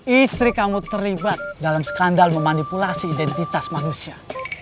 istri kamu terlibat dalam skandal memanipulasi identitas manusia